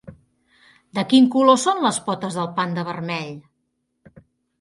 De quin color són les potes del panda vermell?